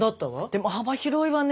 でも幅広いわね